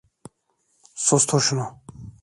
Sustur şunu!